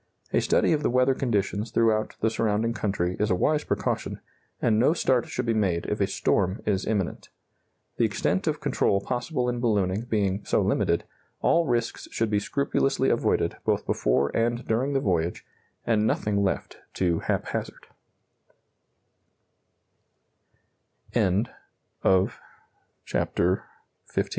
A study of the weather conditions throughout the surrounding country is a wise precaution, and no start should be made if a storm is imminent. The extent of control possible in ballooning being so limited, all risks should be scrupulously avoided, both before and during the voyage